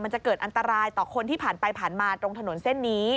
จะเกิดอันตรายต่อคนที่ผ่านไปผ่านมาตรงถนนเส้นนี้